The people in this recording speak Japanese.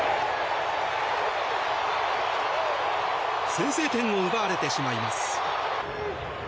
先制点を奪われてしまいます。